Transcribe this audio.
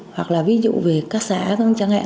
hoặc là ví dụ về các xã chẳng hạn